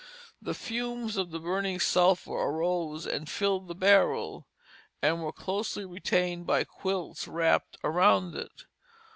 The fumes of the burning sulphur arose and filled the barrel, and were closely retained by quilts wrapped around it.